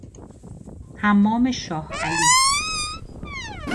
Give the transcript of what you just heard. حمام شاه علی